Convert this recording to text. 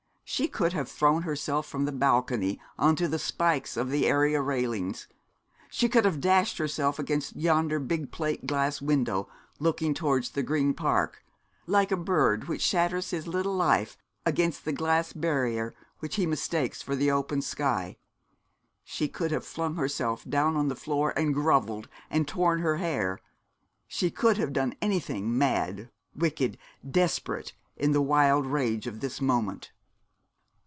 She could have thrown herself from the balcony on to the spikes of the area railings, she could have dashed herself against yonder big plate glass window looking towards the Green Park, like a bird which shatters his little life against the glass barrier which he mistakes for the open sky. She could have flung herself down on the floor and grovelled, and torn her hair she could have done anything mad, wicked, desperate, in the wild rage of this moment.